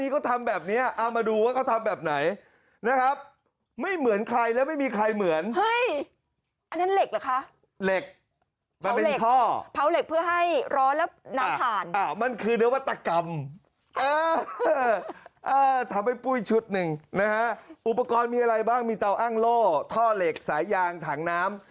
ทำให้ปุ้ยชุดหนึ่งนะฮะอุปกรณ์มีอะไรบ้างมีเตาอ้างโล่ท่อเหล็กสายยางถังน้ำ